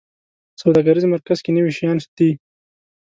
سوداګریز مرکز کې نوي شیان دي